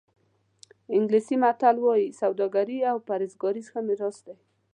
انګلیسي متل وایي سوداګري او پرهېزګاري ښه میراث دی.